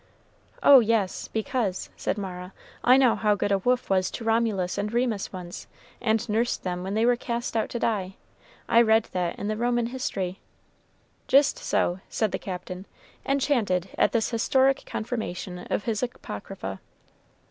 "Oh, yes! because," said Mara, "I know how good a wolf was to Romulus and Remus once, and nursed them when they were cast out to die. I read that in the Roman history." "Jist so," said the Captain, enchanted at this historic confirmation of his apocrypha.